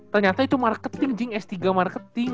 ternyata itu marketing jing s tiga marketing